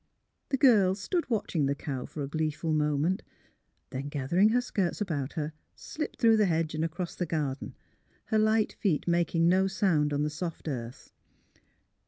The girl stood watching the cow for a gleeful moment; then, gathering her skirts about her, slipped through the hedge and across "the garden, her light feet making no sound on the soft earth.